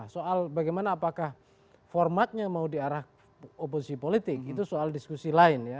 soal bagaimana apakah formatnya mau diarah oposisi politik itu soal diskusi lain ya